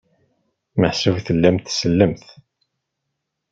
Meḥsub tellamt tsellemt?